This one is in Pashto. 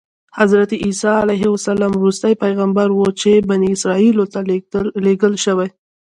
حضرت عیسی علیه السلام وروستی پیغمبر و چې بني اسرایلو ته لېږل شوی.